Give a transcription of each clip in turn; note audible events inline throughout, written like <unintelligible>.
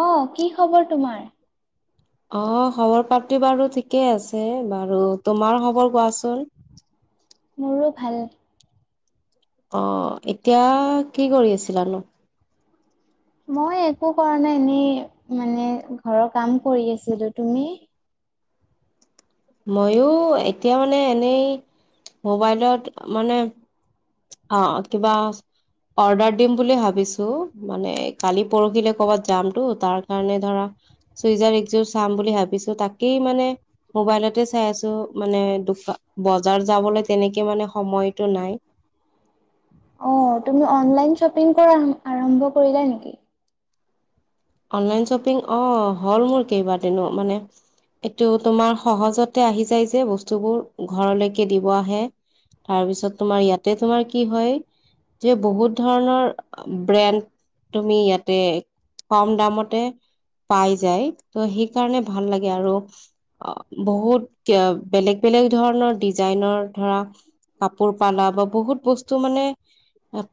অ কি খবৰ তোমাৰ অ', খবৰপ্ৰাপ্তি বাৰু ঠিকেই আছে বাৰু তোমাৰ খবৰ কোৱাচোন মোৰো ভাল অ এতিয়া কি কৰি আছিলানো মই একো কৰা নাই এনেই মানে ঘৰৰ কাম কৰি আছিলো তুমি মইো এতিয়া মানে এনেই মোবাইলত মানে অ', কিবা অৰ্ডাৰ দিম বুলি ভাবিছো মানে কালি পৰহিলে কৰ'বাত যামতটো তাৰ কাৰণে ধৰা চুইজাৰ একযোৰ চাম বুলি ভাবিছো তাকেই মানে মোবাইলতে চাই আছো মানে বজাৰ যাবলৈ তেনেকে মানে সময়তটো নাই অ তুমি অনলাইন শ্বপিং কৰা আৰম্ভ কৰিলা নেকি অনলাইন শ্বপিং অ হ'ল মোৰ কেইবাৰ দনো মানে এইটো তোমাৰ সহজতে আহি যায় যে বস্তুবোৰ ঘৰলৈকে দিব আহে তাৰপিছত তোমাৰ ইয়াতে তোমাৰ কি হয় যে বহুত ধৰণৰ ব্ৰেণ্ড তুমি ইয়াতে কম দামতে পাই যায় ত সেইকাৰণে ভাল লাগে আৰু বহুত বেলেগ বে বেলেগ ধৰণৰ ডিজাইনৰ ধৰা কাপোৰ পালা বা বহুত বস্তু মানে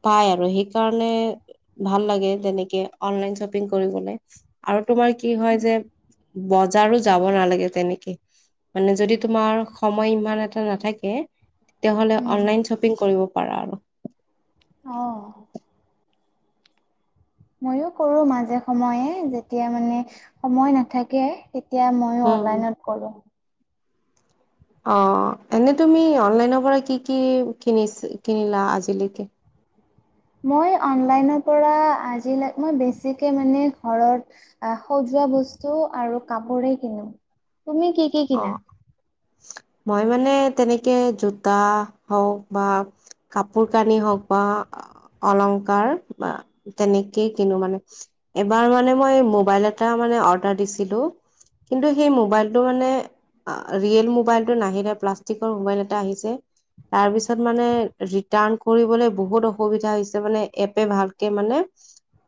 পাই আৰু সেইকাৰণে ভাল লাগে যেনেকে অনলাইন কৰিবলে আৰু তোমাৰ কি হয় যে বজাৰো যাব নালাগে তেনেকে মানে যদি তোমাৰ সময় ইমান এটা নাথাকে তেতিয়াহ'লে উম। অনলাইন শ্বপিং কৰিব পাৰা আৰু অ ময়ো কৰো মাজে সময়ে যেতিয়া মানে সময় নাথাকে তেতিয়া ময়ো উম। অনলাইনত গ'লোঁ অ', এনে তুমি অনলাইনৰ পৰা কি, কি কিনিছ কিনিলা আজিলৈকে মই অনলাইনৰ পৰা আজি লৈ মই বেছি কৈ মানে ঘৰত সজোৱা বস্তু আৰু কাপোৰে কিনো তুমি কি, কি অ কিনা? মই মানে তেনেকে জোতা হওক বা কাপোৰ কানি হওক বা অলংকাৰ বা তেনেকেই কিনো মানে এবাৰ মানে মই মোবাইলত মই মানে অৰ্ডাৰ দিছিলোঁ কিন্তু হেই মোবাইলটো মানে ৰিয়েল মোবাইলটো নাহিলে, প্লাষ্টিকৰ মোবাইল এটা আহিছে। তাৰপিছত মানে ৰিটাৰ্ণ কৰিবলৈ বহুত অসুবিধা হৈছে মানে এপে ভালকে মানে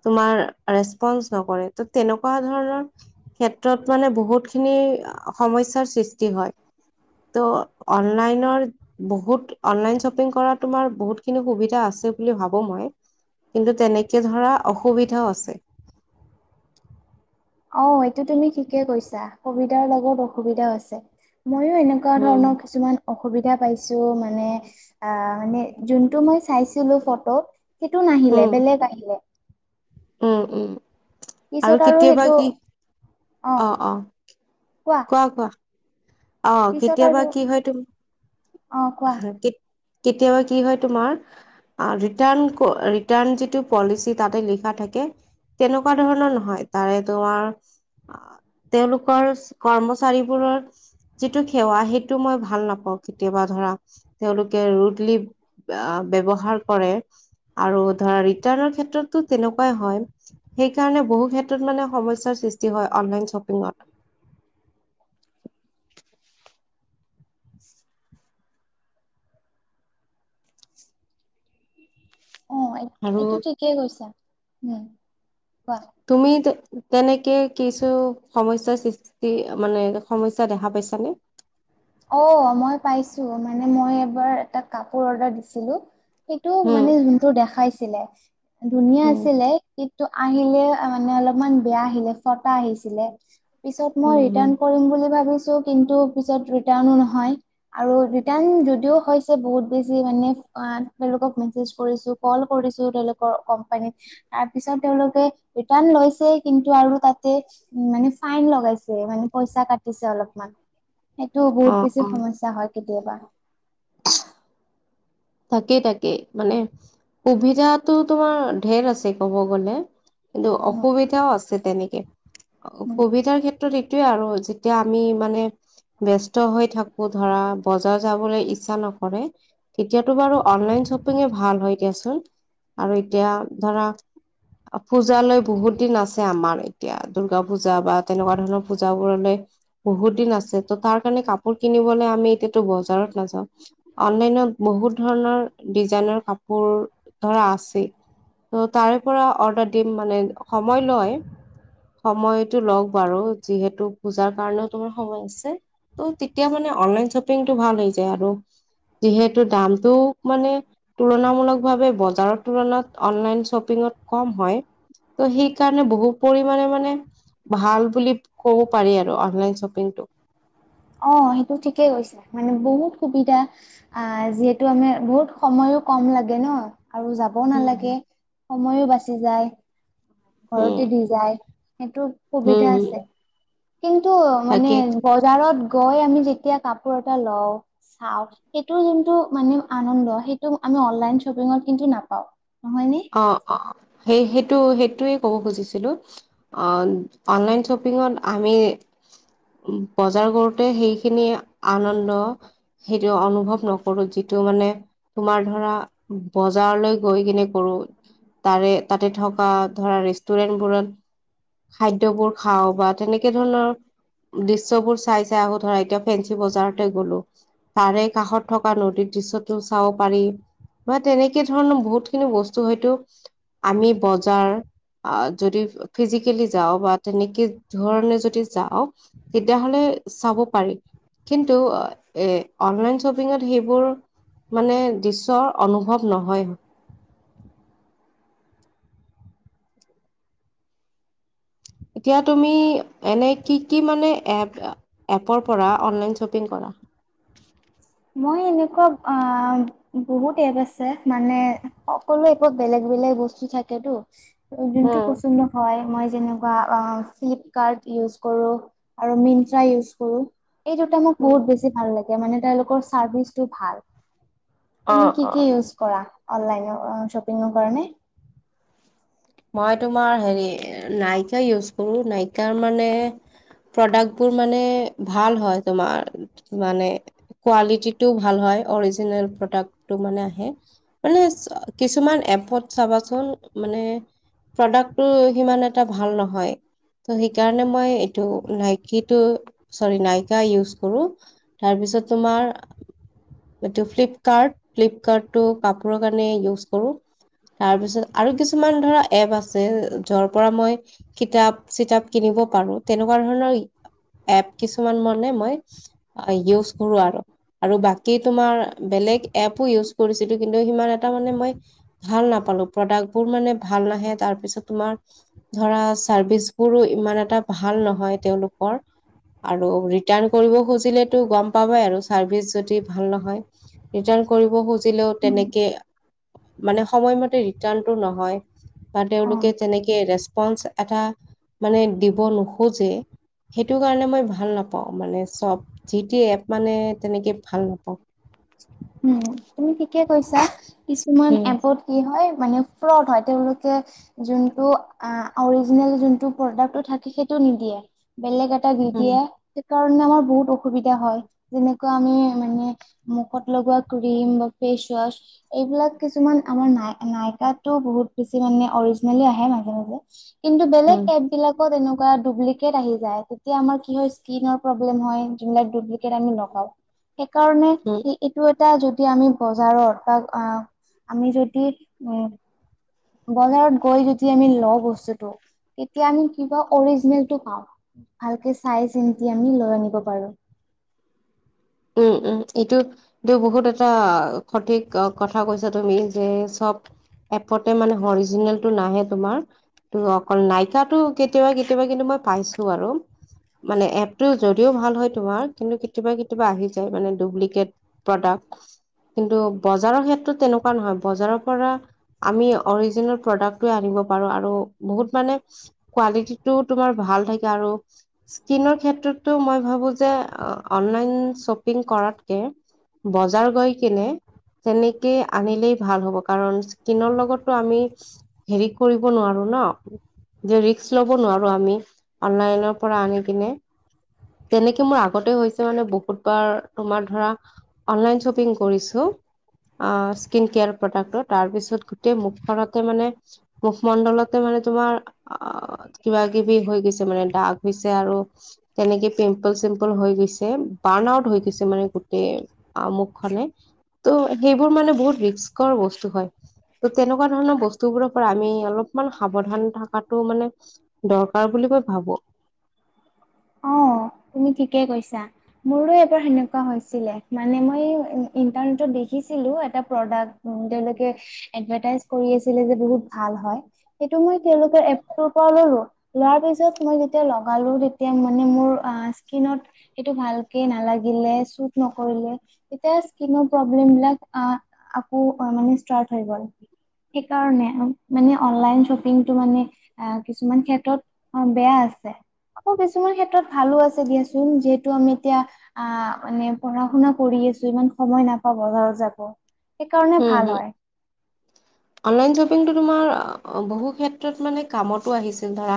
তোমাৰ ৰেচপন্ঞ্চ নকৰে ত তেনেকুৱা ধৰণৰ ক্ষেত্ৰত মানে বহুত খিনি সমস্যা সৃষ্টি হয় <inaudible> ত' অনলাইনৰ বহুত অনলাইন শ্বপিং কৰা তোমাৰ বহুতখিনি সুবিধা আছে বুলি ভাবো মই কিন্তু তেনেকে ধৰা অসুবিধা আছে অ এইটো তুমি ঠিকে কৈছা সুবিধাৰ লগত অসুবিধাও আছে ময়ো এনেকুৱা উম ধৰণৰ কিছুমান অসুবিধা পাইছো মানে আহ মানে যোনটো মই চাইছিলো ফটো সেইটো নাহিলে উম বেলেগ আহিলে উম, উম পিছত আৰু কেতিয়াবা সেইটো কি অ', অ', কোৱা, কোৱা অ' পিছত কেতিয়াবা আৰু কি হয় তুমি অ কোৱা কেতিয়াবা কি হয় তোমাৰ ৰিটাৰ্ণ ৰিটাৰ্ণ যিটো পলিচি তাতে লিখা থাকে তেনেকুৱা ধৰণৰ নহয় তাৰে তোমাৰ তেওঁলোকৰ কৰ্মচাৰীবোৰৰ যিটো সেৱা সেইটো মই ভাল নাপাওঁ কেতিয়াবা ধৰা তেওঁলোকে ৰুদলি আহ ব্যৱহাৰ কৰে আৰু ধৰা ৰিটাৰ্ণ ক্ষেত্ৰতটো তেনেকুৱাই হয়। সেইকাৰণে বহু ক্ষেত্ৰত মানে সমস্যাৰ সৃষ্টি হয় অনলাইন শ্বপিঙত <inaudible> অ আৰু এইটো ঠিকেই কৈছা উম কোৱা তুমি তেনেকে কিছু সমস্যা সৃষ্টি মানে সমস্যা দেখা পাই <unintelligible> অ', মই পাইছো মানে মই এবাৰ এটা কাপোৰ অৰ্ডাৰ দিছিলো সেইটো উম, মানে যোনটো দেখাইছিলে ধুনীয়া উম, আছিলে ত আহিলে মানে অলপমান বেয়া আহিলে ফটা আহিছিলে পিছত উম, মই উম। ৰিটাৰ্ণ কৰিম বুলি ভাবিছো, ৰিটাৰ্ণ নহয়। আৰু যদিও হৈছে বহুত বেছি মানেলোক মেজ লৰ ক তাৰপিছত তেওঁলোকে লৈছে কিন্তু আৰু তাতে উ, মানে ফাইন লগাইছে মানে পইচা কাটিছে অলপমান তটো বহুত অ', বেছি অ', সমস্যা হয় কেতিয়াবা তাকেই তাকেই মানে সুবিধাতটো তোমাৰ ধঢেৰ আছে ক'ব গ'লে কিন্তু উম, অসুবিধাও আছে তেনেকে অ', উম। সুবিধাৰ ক্ষেত্ৰত এইটোয়ে আৰু যেতিয়া আমি মানে ব্যস্ত হৈ থাকো ধৰা বজাৰ যাবলৈ ইচ্ছা নকৰে এতিয়াতো বাৰু অনলাইন শ্বপিঙে ভাল হয় দিয়াচোন আৰু এতিয়া ধৰা পূজালৈ বহুত দিন আছে আমাৰ এতিয়া দূৰ্গা পূজা বা তেনেকুৱা ধৰণৰ পুজাবোৰলে। বহুত দিন আছে তাৰ কাৰণে আমি এতিযা বজাৰ তো নাযাওঁ। বহুত ধৰণৰ ডিজাইনৰ কাপোৰ ধৰা আছে। ত' তাৰে পৰা অৰ্ডাৰ দিম মানে, সময় লয়। সময়তটো লওক বাৰু যিহেতু পূজাৰ কাৰণেও তোমাৰ সময় আছে। ত' তেতিয়া মানে অনলাইন শ্বপিংটো ভাল হৈ যায় আৰু যিহেতু। দামটো মানে তুলনামূলক ভাৱে বজাৰৰ তুলনাত অনলাইন শ্বপিঙত কম, হয়, ত সেইকাৰণে বহু পৰিমাণে মানে, ভাল বুলি ক'ব পাৰি আৰু অনলাইন শ্বপিংটো, অ' সেইটো ঠিকেই গৈছে মানে বহুত সুবিধা অ' যিহেতু আমি বহুত সময়, কাম লাগে ন, আৰু যাবও নালাগে উম, সময়ো বাচি যায়, উম, ঘৰতে দি যায়। সেইটো সুবিধা উম, আছে, কিন্তু মানে তাকে বজাৰত গৈ আমি যেতিয়া কাপোৰ এটা লও, চাও, সেইটো যোনটো মানে আনন্দ সেইটো। অনলাইন শ্বপিঙত কিন্তু নাপাওঁ। নহয়নে? অ-অ, সেই-সেইটো সেইটোৱে ক'ব খুজিছিলো অ' অনলাইন শ্বপিঙত আমি উম, বজাৰ কৰোতে সেইখিনি আনন্দ সেইটো অনুভৱ নকৰো যি এইটো মানে তোমাৰ ধৰা, বজাৰলৈ গৈ কিনে কৰ, তাৰে তাতে থকা ধৰা ৰেষ্টুৰেন্টবোৰত খাদ্যয়বোৰ খাওঁ বা তেনেকে ধৰণৰ দৃশ্যয়বোৰ চাই-চাই আহো ধৰা এতিয়া ফেঞ্চি বজাৰতে গ'লো। তাৰে কাষত থকা নদীৰ দৃশ্যতো চাব পাৰি, বা তেনেকে ধৰণৰ বহুত খিনি বস্তু হয়তো আমি বজাৰ যদি ফিজিকেলি যাওঁ বা তেনেকে ধৰণে যদি যাওঁ তেতিয়াহলে, চাব পাৰি, কিন্তু এ অনলাইন শ্বপিঙত সেইবোৰ মানে দৃশৰ অনুভৱ নহয়। এতিয়া তুমি কি কি, এপ এপৰ পৰা অনলাইন শ্বপিং কৰা? <inaudible> মই এনেকুৱা বহুত এপ আছে মানে সকলো এপতে বেলেগ বেলেগ বস্তু থাকেতটো যোনটো উম পচন্দ হয়। মই যেনেকুৱা ফ্লিপকাৰ্ট ইউজ কৰোঁ আৰু মিট্ৰা ইউজ কৰোঁ। এই দুটা মোক বহুত বেছি ভাল, লাগে মানে তেওঁলোকৰ চাৰ্ভিচটো ভাল। অ এমি অ কি-কি ইউজ কৰা অনলাইন শ্বপিংৰ কাৰণে? মই তোমাৰ হেৰি নাইকা ইউজ কৰো, নাইকাৰ মানে প্ৰডাক্ বোৰ মানে ভাল হয় তোমাৰ মানে কোৱালিটিটো ভাল হয়। অৰিজিনাল প্ৰডাক্ট বোৰ আহে, মানে কিছুমান এপত চাব সোণ। মানে প্ৰডাক্টটো সিমান এটা ভাল নহয়। ত' সেইকাৰণে মই এইটো নাইকিটো চৰি নাইকা ইউজ কৰো তাৰপিছত। ছত তোমাৰ এইটো ফ্লিপকাৰ্ট, ফ্লিপকাৰ্টটো কাপোৰৰ কাৰণে ইউজ কৰো। তাৰপিছত আৰু কিছুমান ধৰা, এপ আছে যৰ পৰা মই কিতাপ-চিতাপ কিনিব পাৰো তেনেকুৱা ধৰণৰ, এপ কিছুমান মানে মই ইউজ কৰো আৰু, আৰু বাকী তোমাৰ বেলেগ এপো ইউজ কৰিছিলো কিন্তু সিমান এটা মানে মই ভাল নাপাওঁ। ভাল প্ৰডাক্টবোৰ মানে ভ, ভাল নাহে, তাৰপিছত তোমাৰ ধৰা চাৰ্ভিচ বোৰো ইমান এটা ভাল নহয়, তেওঁলোকৰ। ৰ <unintelligible> আৰু ৰিটাৰ্ণ কৰিব খুজিলেটো গ'ম পাবাই আৰু চাৰ্ভিচ যদি ভাল নহয়। ৰিটাৰ্ণ কৰিব খুজিলেও উম। তেনেকে মানে সময়মতে ৰিটাৰ্ণটো নহয়। বা অ তেওঁলোকে তেনেকে ৰেচপন্ঞ্চ এটা মানে দিব নোখোজে সেইটো কাৰণে মই ভাল নাপাওঁ মানে চব যি ট এপ মানে তেনেকে ভাল নাপাওঁ উম তুমি ঠিকে কৈছা কিছুমান উম এপত কি হয় মানে ফ্ৰড হয় তেওঁলোকে যোনটো অৰিজিনেল যোনটো প্ৰডাক্টটো থাকে সেইটো নি দিয়ে বেলেগ দি উম দিয়ে সেইকাৰণে আমাৰ বহুত অসুবিধা হয় যেনেকুৱা আমি মানে মুখত এনেকোৱা কৰিম ফেচওৱাছ এইবিলাক কিছুমান আমাৰ নাই কিয়াতো বহুত বেছি মানে অৰিজনেল আহে মাজে মাজে কিন্তু বেলেগ উম। এপ বিলাকত এনে পুৰা দুপলিকেত আহি যায় তেতিয়া আমাৰ কি হয় ইচকিনৰ প্ৰব্লেম হয় যোনে দুবলিকেত আনি নকয় সেইকাৰণে উম এইটো এটা যদি আমি বজাৰত বা আমি যদি উ বজাৰত গৈ যদি আমি লওঁ বস্তুটো তেতিয়া আমি কিবা অৰিজিনেলটো পাওঁ ভালকে চাই চিনটি আমি লৈ আনিব পাৰোঁ <unintelligible> উ উম এইটো এই বহুত এটা সঠিক কথা কৈছা তুমি যে চব এপতে মানে হৰিজিনেলটো নাহে তোমাৰ। ত অকল নাইকাটো কেতিয়াবা কেতিয়াবা কিন্তু মই পাইছো আৰু। মানে এপটো যদিও ভাল হয় তোমাৰ কিন্তু কেতিয়াবা কেতি বা আহি যায় মানে ডুপ্লিকেট প্ৰডাক্ট। কিন্তু বজাৰৰ ক্ষেত্ৰত তেনেকুৱা নহয়, বজাৰৰ পৰা আমি অৰিজিনেল প্ৰডাক্টটোৱে আনিব পাৰো আৰু বহুত মানে কোৱালিটিটো তোমাৰ ভা ভাল থাকে আৰু স্কিনৰ ক্ষেত্ৰতো মই ভাবো যে অ অনলাইন শ্বপিং কৰাতকে বজাৰ গৈ কিনে তেনেকেই আনিলেই ভাল হ'ব কাৰণ স্কিনৰ লগতো আমি হেৰি কৰিব নোৱাৰো ন, ৰিস্ক লব নোৱাৰো আমি অনলাইনৰ পৰা আনি কিনে। তেনেকে মোৰ আগতে হৈছে মানে বহুত অ তোমাৰ ধৰা অনলাইন শ্বপিং কৰিছো অ স্ কেয়াৰ প্ৰড্ তাৰপিছত গোট মুখখনতে মানে মুখমণ্ডলতে মানে তোমাৰ কিবা কিবি হৈ গৈছে মানে দাগ হৈছে আৰু তেনেকে পিম্পল চিম্পল হৈ গৈছে বাৰ্ণ আউট হৈ গৈছে মানে গোটেই মুখখনে। ত' সেইবোৰ মানে বহুত ৰিস্কৰ বস্তু হয়। ত' তেনেকুৱা ধৰণৰ বস্তুবোৰৰ পৰা আমি অলপমান সাৱধান থকাাতটো মানে দৰকাৰ বুলি বুলি মই ভাবো অঁ। তুমি ঠিকে কৈছা মোৰো এবাৰ সেনেকুৱা হৈছিলে মানে মই ইন্টাৰনেটত দেখি চাইছিলোঁ এটা প্ৰডাক্ট তেওঁলোকে এডভাতাইজ কৰি আছিলে যে বহুত ভাল হয় মই তেওঁলোকৰ এপটোৰ পৰা ললো, লোৱাৰ পিছত মই যেতিয়া লগালো তে এতিয়া মানে মোৰ অ স্কিনত এইটো ভালকে নালাগিলে চুট নকৰিলে তেতিয়া স্কিনৰ প্ৰব্লেম বিলাক আ মানে আকৌ ষ্টাৰ্ট হৈ গল। সেইকাৰণে মানে অনলাইন শ্বপিংটো মানে কিছুমান ক্ষেত্ৰত বেয়া আকৌ কিছুমান ক্ষেত্ৰত ভালো আছে দিয়াচোন যিহেতু আমি এতিয়া আহ মানে পঢ়া শুনা কৰি আছো ইমান সময় নাপাওঁ বজাৰত যাব। সেইকাৰণে হম্ ভাল হম্ হয় অনলাইন শ্বপিংটোত তোমাৰ বহু ক্ষেত্ৰত মানে কামতো আহিছিল ধৰা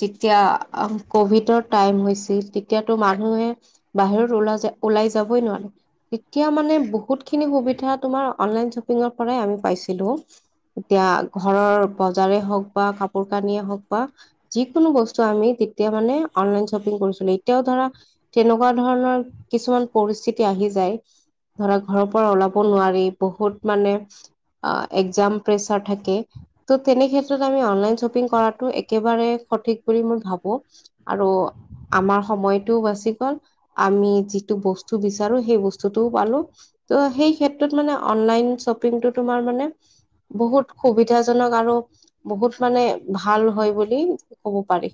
যেতিয়া আ কভিডৰ টাইম হৈছিল, তেতিয়াতো মানুহে বাহিৰত ওলাই যায় ওলাই যাবই নোৱাৰে, তেতিয়া মানে বহুত খিনি সুবিধা তোমাৰ অনলাইন শ্বপিঙৰ পৰাই আমি পাইছিলোঁ। এতিয়া ঘৰৰ বজাৰে হওক বা কাপোৰ কানিয়ে হওক বা যিকোনো বস্তু আমি তেতিয়া মানে অনলাইন শ্বপিং কৰিছিলো, এতিয়াও ধৰা তেনেকুৱা ধৰণৰ কিছুমান পৰিস্থিতি আহি যায় ধৰা ঘৰৰ পৰা ওলাব নোৱাৰি, বহুত মানে একজাম প্ৰেচাৰ থাকে ত' তেনে ক্ষেত্ৰত আমি অনলাইন শ্বপিং কৰাটো একেবাৰে সঠিক বুলি মই ভাবো আৰু, আমাৰ সময়টোও বাচি গল, আমি যিটো বস্তু বিচাৰো সেই বস্তুটোও পালোঁ। ত' সেই ক্ষেত্ৰত মানে অনলাইন শ্বপিংটো তোমাৰ মানে বহুত সুবিধাজনক আৰু বহুত মানে ভাল হয় বুলি ক'ব পাৰি।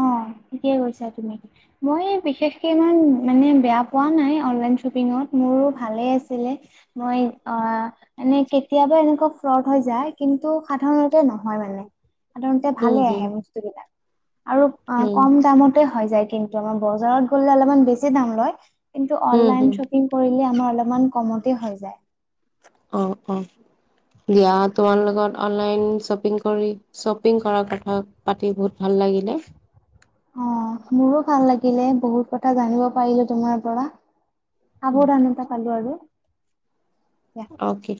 অ' থিকে কৈছা তুমি কি মই বিশেষকে ইমান মানে বেয়া পোৱা নাই অনলাইন শ্বপিংত। মোৰো ভালে আছিলে মই আহ, মানে কেতিয়াবা এনেকুৱা ফ্ৰড হৈ যায় কিন্তু সাধাৰণতে নহয় মানে। সাধাৰণতে উম ভালে হম আহে বস্তুবিলাক আৰু উম কম দামতে, হয় যায়, কিন্তু আমাৰ বজাৰত গলে অলপমান দাম লয়। কিন্তু হম অনলাইন হম শ্বপিং কৰিলে আমাৰ অলপমান কমতে হৈ যায়। অ অ, দিয়া তোমাৰ লগত অনলাইন শ্বপিং কৰি শ্বপিং কৰাৰ কথা পাতি বহুত ভাল, লাগিলে। অ' মোৰো ভাল লাগিলে বহুত কথা জানিব পাৰিলো তোমাৰ পৰা। আবোৰ আনন্ত পালোঁ আৰু দিয়া অকে,